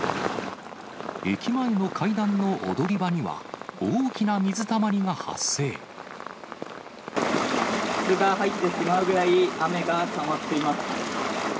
駅前の階段の踊り場には、靴が入ってしまうぐらい、雨がたまっています。